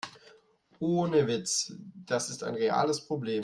Ohne Witz, das ist ein reales Problem.